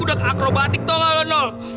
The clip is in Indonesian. udah akrobatik tau gak kan tol